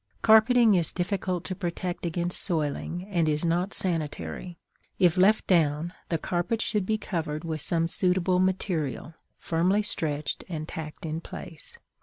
Carpeting is difficult to protect against soiling and is not sanitary. If left down, the carpet should be covered with some suitable material, firmly stretched and tacked in place.